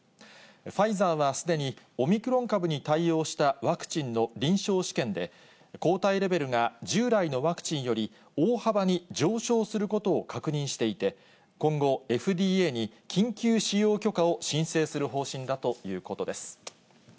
ファイザーはすでにオミクロン株に対応したワクチンの臨床試験で、抗体レベルが従来のワクチンより大幅に上昇することを確認していＦＤＡに緊急使用許可を申請する方針だということです。